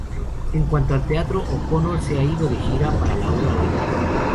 En cuanto al teatro, O'Connor se ha ido de gira para la obra "Oliver!